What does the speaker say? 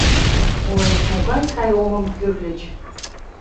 — Ой, могай сай омым кӱрльыч.